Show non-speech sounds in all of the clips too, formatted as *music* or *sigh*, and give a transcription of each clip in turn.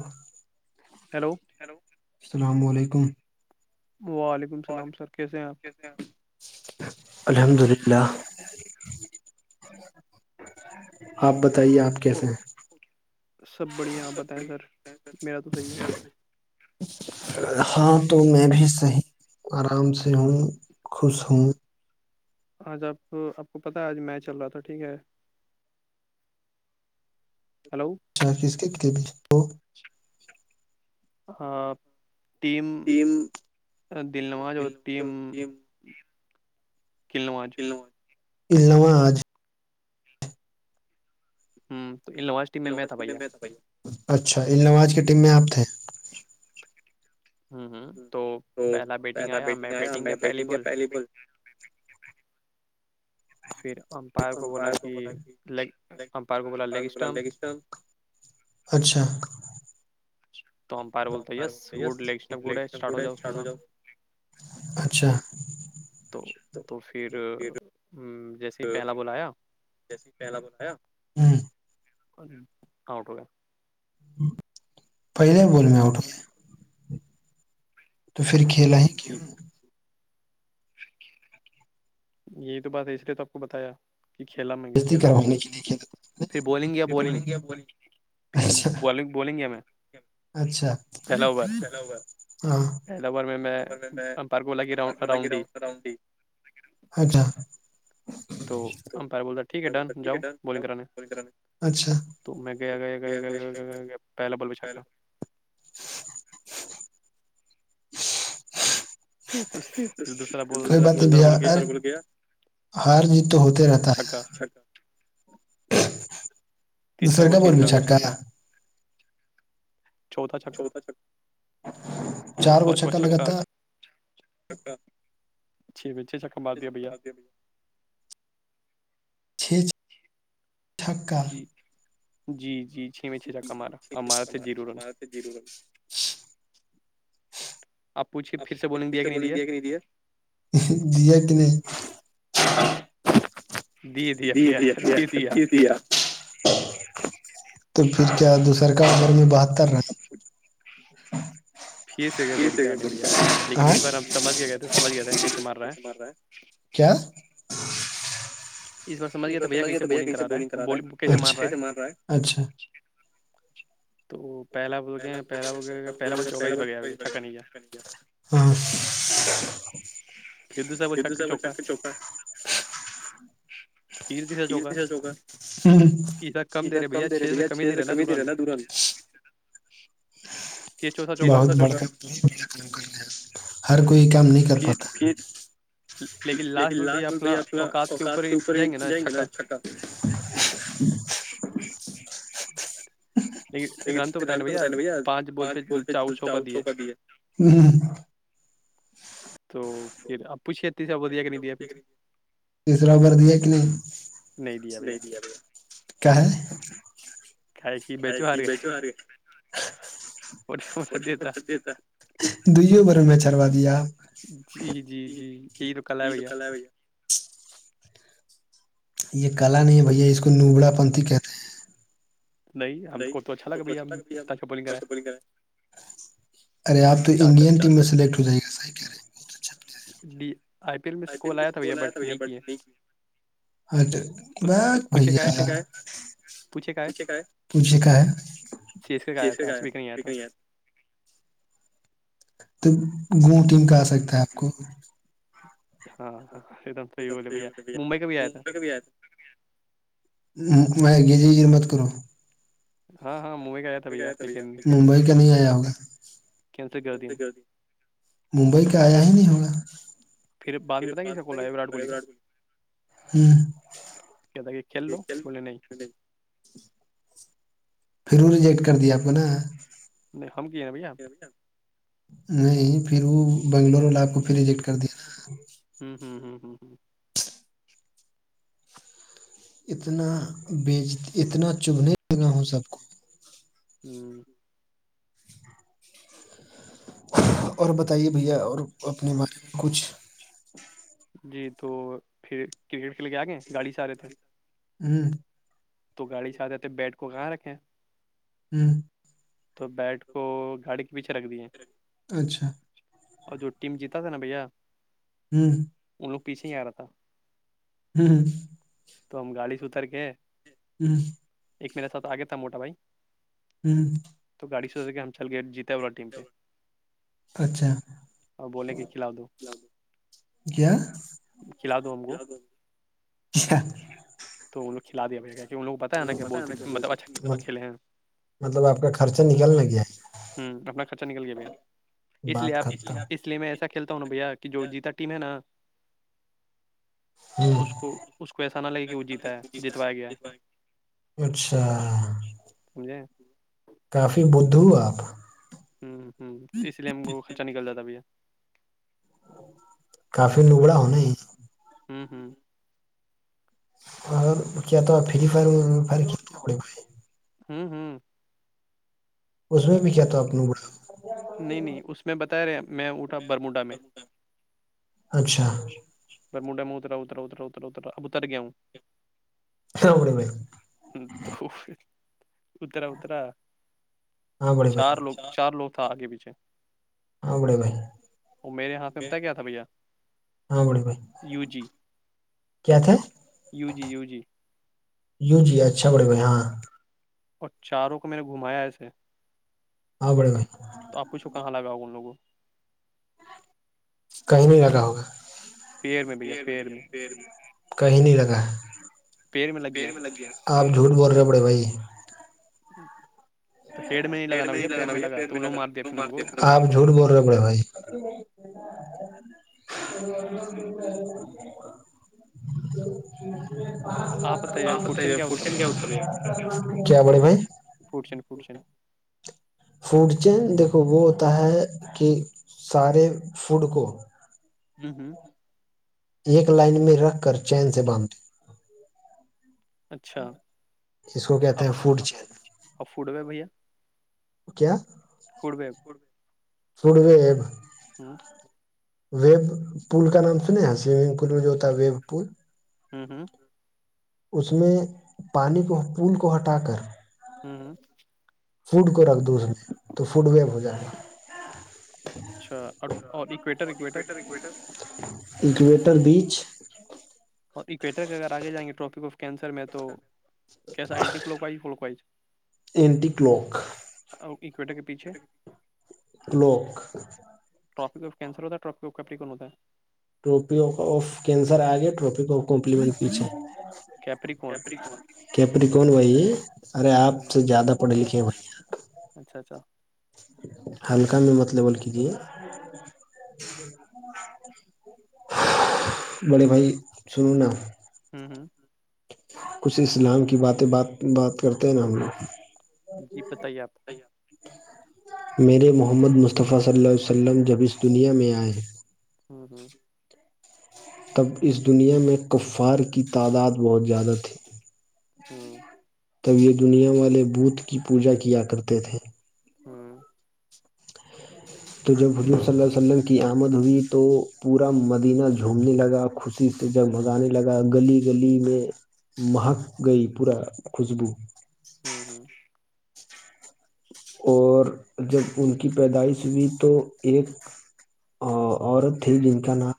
ہ hello hello السلام علیکم وعلیکم السلام سر کیسے ہیں آپ الحمد للہ آپ بتائیے آپ کیسے ہیں سب بڑھیا آپ بتائیں سر میرا تو صحیح ہے ہاں تو میں بھی صحیح آرام سے ہوں خوش ہوں آج آپ آپ کو پتا ہے آج می چل رہا تھا ٹھیک ہے ہیلو اچھافی اس کے ک بھی ہاں ٹیم دل نماز اور ٹیم کلو آج علوہ آج ہوںو وازھ اچھا النواز کی ٹیم میں آپ تھے ہوں ہوں تو پہلا بیٹنگ آیا میں بیٹنگ کیا پہلی بال پھر امپائر کو بولا کہ لیگ امپائر کو بولا لیگ اسٹمپ اچھا تو ہممپائر بولتے ہیں یس گڈ لیگٹ گڈ ہے اسٹارٹ ہو جاؤ کھیلنا اچھا تو تو پھر جیسے ہی پہلا بلایا جیسے ہی پہلا بلایا آٹ گ پہلے ہی بول میں اوٹ تو پھر کھیلا ہے کہ یہی تو بات ہے اس لیے تو آپ کو بتایا کہ کھیلا میں گیا پھر بالنگ گیا بالنگ پھر بالنگ بولیں گے ہمیں اچھا ب حیدوار میں پارکو لگاڈ اراؤنڈ ڈی راؤنڈی اچھا تو ہمپیر بولتا ٹھیک ہے ڈن جاؤ بالنگ کرانے تو میں گیا گ پہلا بل بچھاا کوئی بات نہیں بیا ہار جیت تو ہوتے رہتا ہے دوسر کا بول چھ کا چوتھا چھکا پچوچ چھکا چھ چے چکا بار دیا بھیا چھ چھ جی جی جی چھی میں چھ چک کا مارا اور مارےضرور جرور آپ پھر سے بول دیا کہ نہیں دیا دیا کہ نہیں دیا پیا دی دیا تو پھر کیا دوسر کا عبر میں بہتر رہا پھر سے گئے بورٹنگ کرانے بھیا لیکن اس بار ہم سمجھ گئے تھے سجھ گئے تھ ہیں پی مر رہا ہے کیا اس بات سمجھ گئے بھیا کیے بنگ کرا رہا ہے اچھسے مارا ہے اچھا تو پہلا بول کہ پہلا ب کہ پہلا بول چوکا ہی ب گیا بھ چھکا نہیں کیا ہے ہاں کدو سےاحبول چک کے چوکا پیر سا چوکا ایا کم دے رہے بھیا چھ سے کم ہی دے رہے نا دورن ہوں بت بڑ ہر کوئی کام نہیں کر پتا لیکن لاسٹ بول بھائی اپنا اوقات کے اوپر ہی جائیں گے نا چھکا *inaudible* نہیں رن تو بت نہیںا بھیا پانچ بول پہ چا چو کا دیے ہاں تو پھر آپ چھتی سب ویا کر نہیں دیا پھر تیسرابر دیا کہ نہیں دیا کیا ہے آ بیچو آرے ستا دوئیوں بار میں چروا دیا آپ جی جی جی یہی تو کل ہے بھیا یہ کلا نہیں ہے بھیا اس کو نوبڑا پنتھی کہتے ہیں نہیں ہم کو تو اچھا لگ بڑیا ہم اتنا شا بالگ کر رہایں ارے آپ انڈین ٹیم میں سلیکٹ ہو جائے گا ہی کیا رہے ڈی آئی پی ایل میں سے کال آیا تھا بھیا بٹ نہیں کیے بس جھے کا تجھے کا ہے سیس کر آیا تھا آج بھیک نہیں آیا تھا تو گو ٹیم کا آ سکتا ہے آپ کو ہاں ہاں ایک دم صحیح بولے بھیا ممبئی کا بھیھی آیا تھا میں گیزری مت کرو ہاں ہاں مو ممبئی کا نہیں آیا ہوگا مبئی کا ہے نہیں ہوا پھر بعد بتیں کیس ک کولا ہے ورٹ کوہلی کا ک تے کلل نہیں پھر وہ ریجیکٹ کر دیا آپ کو نا نہیں پھر وہ بنگلور والا آپ کو پھر ریجیکٹ کر دیا ہوں ہ ہ ہ ہ اتنا بیچ اتنا چبھنے لگا ہوں سب کو ہوں اور بتائیے بھیا اور اپنے ب میں کچھ جی تو پھر کرکٹ کھیل کے آگئے گاڑی سے آ رہے تھے ہوں تو گاڑی چھاہاتتے بیٹ کو کہاں رکھیں ہوں تو بیٹ کو گاڑی کے پیچھے رکھ دیے اچھا اور جو ٹیم جیتا تھا ن بھیا ہوں ان لوگ پیچے ہی آ رہا تھا ہوں تو ہم گاڑی سے اتر کے ہوں ایک میرے سھ آ گیا تھا موٹا بھائی ہوں تو گاڑی سو ج کے ہم چل گئے جیتے والا ٹیم پہ اچھا اور بول کے کلاؤ دو کھلا دو ہم کو تو ان لوگ کلایا ہےھاون کہہ انوگ پتا ہے ن کہ بہت مطلب اچھ کھیل ہیں مطلب آپ کا خرچہ نکلنا کیا ہے ہوں اپنا خرچہ نکل گیا بھیا اس لیے آپ اس لیے میں ایسا کھیلتا ہوں نا بھیا کہ جو جیتا ت میں نا اس کو اس کو ایسا نہ لگے کہ وہ جیتا ہے جتوایا گیا ہے اچھا سمجے کافی بھ ہو آپ ہوں ہ ہوں تو اس لیے ہم کو خرچا نکل جاتا بھیا کافی لوگڑا ہونا ہوں ہوں اور کیا تو فری فر پڑی ہوں ہوں اس میں بھی کیا تھا آپ نے ب نہیں نہیں اسس میں بتا رہے میں اٹھا برمنڈا میں اچھا ب منڈے میں اتر اتر اترا اتر اتر ابتر گیا ہوں ہاں ہمڑی بھ تو اترا اترا چار لوگ چار لوگ تھا آگے پیچھے ہاں بڑے بھائی ہاں بڑے بھائی U G U G U G U G اچھا بڑے ہوئے ہاں اور چاروں کو میں نے گھمایا ایسے ہاں بڑے گھ تو آپچھ کہاں لگاؤ ان لگوں کہیں نہیں لگا ہوگا کہیں نہیں لگا پیڑ میں لگیا آپ جھوٹ بول رہے ہو بڑے بھائی تو ہیڈ میں نہیں لگا نا بھیا پیر میں لگا تو لو مار دیا پھر ہم کو جھوٹ بول رہے بڑے بھائی وہ ہاں بتائی پ کیا کیا بڑے بھائی فرٹشن فٹچن فوڈ چین دیکھو وہ ہوتا ہے کہ سارے فوڈ کو ہوں ہوں ایک لائن میں رکھ کر چین سے باندھتی اچھا آ اور فوڈوئے بھیا کیا فوڈ ویب ہوں ویب پول کا نام سنے ہیں سویمنگ پل میں جو ہوتا ہے ویب پول ہوں ہوں اس میں پانی کو پول کو ہٹا کر ہوں ہ فوڈ کو رکھ دو اس میں تو فوڈ ویب ہو جائے گا اچھا اور اور اکویٹر اویٹر گوٹر بیچ اور اکویٹر کے اگر آگے جائیں گے ٹاپک آف کینسر میں تو کیسا اینٹیلوک فوکائ اور اکوٹر کے پیچھے لوک ٹاک کیسر ہوتا ہےٹرکپیکن ہوتا ہے ٹروپی آف کینسر آ گے ٹروپی آف کمپلیمنٹ پیچھے کیپریکن بھائی ارے آپ سے زیادہ پڑھے لکھے بھائی اچھا اچھا ہلکا میں مطلبول کیجیے ہ جی جی ہ مڑ بھائی سنو نا ہوں ہوں کچھ اسلام کی باتیں بات بات کرتے ہیں نا ہم لوگ جی بتائیے آپ میرے محمد مصطفی صلی اللہ علیہ وسلم جب اس دنیا میں ائے ہوں ہوں تب اس دنیا میں کفار کی تعداد بہت زیادہ تھی تب یہ دنیا والے بوت کی پوجا کیا کرتے تھے تو جب ولی صلی اللہیہ و سلم کی آمد ہوئی تو پورا مدینہ جھومنے لگا خوشی سے جگمگانے لگا گلی گلی میں محک گئی پورا خوشبو ہوں ہوں اور جب ان کی پیدائش ہوئی تو ایک ا عت جن کا نام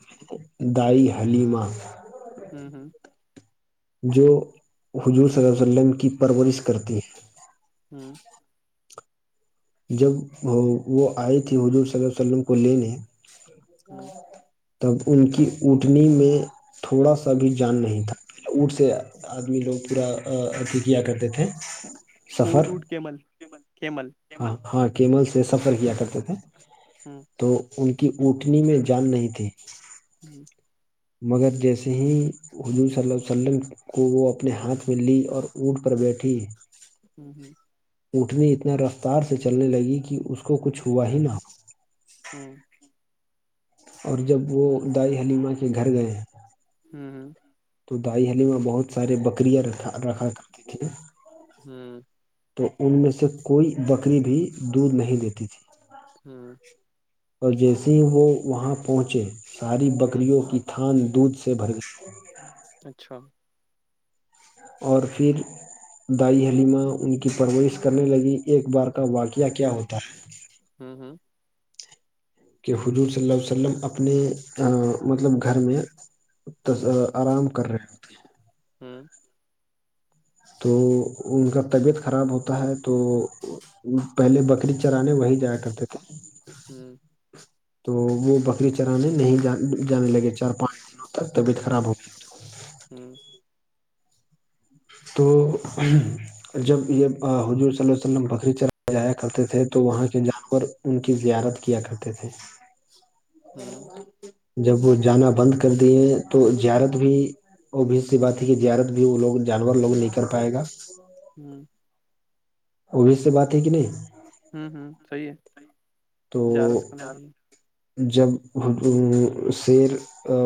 دائی حلیمہ ہوں ہوں جو حضور صلیلہیہ ولم کی پرورش کرتی ہیں ہوں جب وہ آئی تھی حضور صلی اللہ ع وسلم کو لینے تب ان کی اٹنی میں تھوڑا سا بھی جان نہیں تھا اٹھ سے آدمی لوگ پورا اھی کیا کرتے تھے اٹ اٹ کیمل کیمل ہاں ہاں کیمل سے سفر کیا کرتے تھے ہوں تو ان کی اٹنی میں جان نہیں تھی ہوں مگر جیسے ہی حضور صلی اللہ علیہ وسلم کو وہ اپنے ہاتھ میں لی اور اونٹ پر بیٹھی ہوں ہوں اٹنے اتنا رفتار سے چلنے لگی کہ اس کو کچھ ہوا ہی نہ ہو ہوں اور جب وہ دائیی حلیمہ کے گھر گئے ہیں ہاں تو دائی حلی میں بہت سارے بکریاں رکھا رکھا کرتے تھے ہوں تو ان میں سے کوئی بکری بھی دودھ نہیں دیتی تھی ہوں اور جیسے ہی وہ وہاں پہنچے ساری بکریوں کی تھان دودھ سے بھر گئیئے اچھا اور پھر دائی حلیمہ ان کی پرورش کرنے لگی ایک بار کا واقعہ کیا ہوتا ہوں ہوں کہ حضور صلی اللہ علیہ وسلم اپنے مطلب گھر میں آرام کر رہے ہوں تو ان کا طبیعت خراب ہوتا ہے تو پہلے بکری چرانے وہی جایا کرتے تھے ہوں تو وہ بکری چرانے نہیں جانے لگے چار پانچ دنوں تک طبیعت خراب ہو ہوں تو جب یہ حضور صلی اللہ ولم بکری چلا جایا کرتے تھے تو وہاں کے جانور ان کی زیارت کیا کرتے تھے *inaudible* ا جب وہ جانا بند کر دیے تو زیارت بھی بھی سی بات ہے کہ زیارت بھی وہ لوگ جانور لوگ نہیں کرل پائے گا ہاں اب سے بات ہے کہ نہیں ہوں ہوں صحیح ہے جازت کرنا چاہیے جب شیر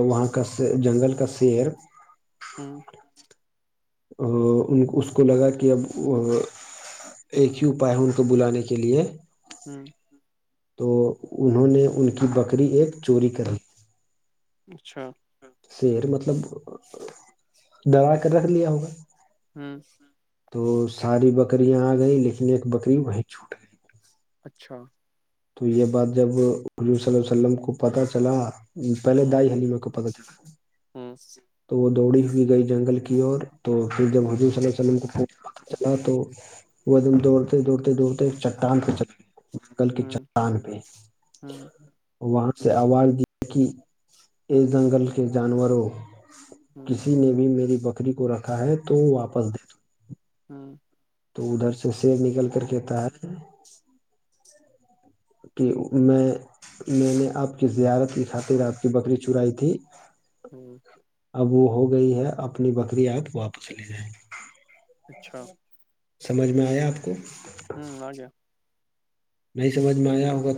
وہاں کا جنگل کا شیر ہوں ان اس کو لگا کہ اب ایک ہی اپائے ہے ان کو بلانے کے لئے ہوں تو انہوں نے ان کی بکری ایک چوری کری اچھا شیر مطلب دبا کر رکھ لیا ہوگا ہاں تو ساری بکریاں آ گئی لیکن ایک بکری وہیں چھوٹ گئی اچھا تو یہ بات جب حضور صلی وسلم کو پتہ چلا پہلے دائی حلی میںے کو پکل چلا تو وہ دوڑی ہوئی گئی جنگل کی اور تو جب حضزور صس السلم چ تو وہ دم دوڑتے دوڑتے دوڑتے چان سےل کی چ کان پہ وہاں سے آواز دی کہ ا جنگل کے جانوروں کسی نے بھی میری بکری کو رکھا ہے تو واپس دے ہوں تو ادھر سے سیر نکل کر کے ت ہے کہ میں میں نے آپ کی زیارت کی خاطر آپ کی بکری چرائی تھی ہوں اب وہ ہو گئی ہے اپنی بکریات واپس لے جائیں اچھا سمجھ میں آیا آپ کو ہوں آیا نہیں سمج میں آیا ہوگا